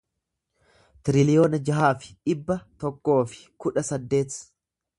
tiriliyoona jaha fi dhibba tokkoo fi kudha saddeet